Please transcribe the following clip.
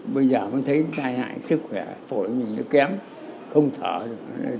bây giờ vẫn thấy tai hại sức khỏe phổi mình nó kém không thở được